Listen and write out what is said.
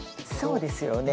そうですよね。